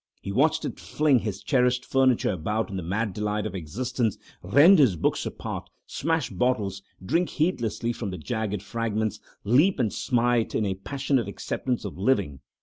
He watched it fling his cherished furniture about in the mad delight of existence, rend his books apart, smash bottles, drink heedlessly from the jagged fragments, leap and smite in a passionate acceptance of living.